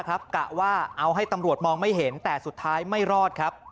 กะว่าเอาให้ตำรวจมองไม่เห็นแต่สุดท้ายไม่รอดครับ